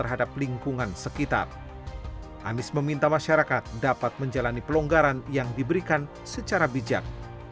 anies meminta masyarakat dapat menjalani pelonggaran yang diberikan secara bijak